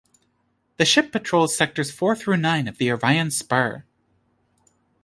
The ship patrols Sectors Four through Nine of the Orion Spur.